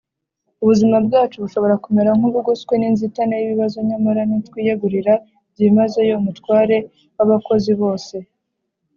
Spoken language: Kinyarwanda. ubuzima bwacu bushobora kumera nk’ubugoswe n’inzitane y’ibibazo, nyamara nitwiyegurira byimazeyo umutware w’abakozi bose